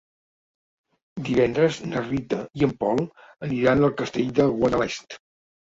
Divendres na Rita i en Pol aniran al Castell de Guadalest.